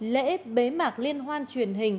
lễ bế mạc liên hoan truyền hình